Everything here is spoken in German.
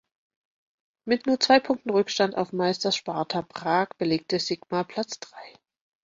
Mit nur zwei Punkten Rückstand auf Meister Sparta Prag belegte Sigma Platz Drei.